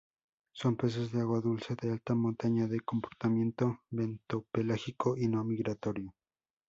Son peces de agua dulce de alta montaña, de comportamiento bentopelágico y no migratorio.